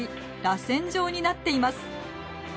らせん状になっています。